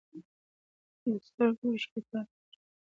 د سترګو اوښکې پاکې کړئ.